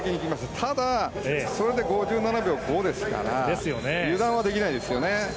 ただ、それで５７秒５ですから油断はできないですね。